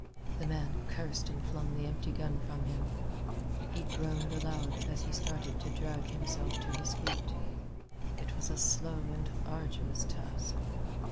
The man cursed and flung the empty gun from him. He groaned aloud as he started to drag himself to his feet. It was a slow and arduous task.